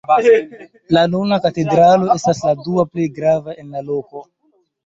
La nuna katedralo estas la dua plej grava en la loko.